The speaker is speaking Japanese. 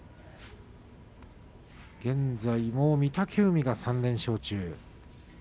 現在も御嶽海が３連勝中。